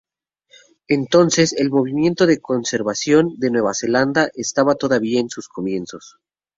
Entonces el movimiento de conservación de Nueva Zelanda estaba todavía en sus comienzos.